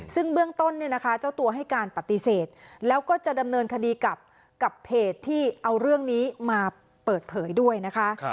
ซึ่งเบื้องต้นเนี่ยนะคะเจ้าตัวให้การปฏิเสธแล้วก็จะดำเนินคดีกับเพจที่เอาเรื่องนี้มาเปิดเผยด้วยนะคะ